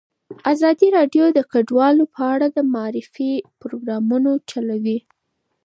ازادي راډیو د کډوال په اړه د معارفې پروګرامونه چلولي.